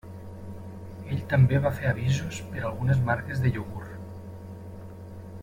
Ell també va fer avisos per algunes marques de iogurt.